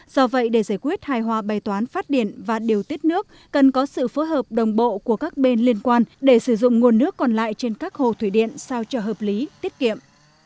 do vậy để giải quyết hài hòa bày toán phát điện và điều tiết nước cần có sự phối hợp đồng bộ của các bên liên quan để sử dụng nguồn nước còn lại trên các hồ thủy điện sao cho hợp lý tiết kiệm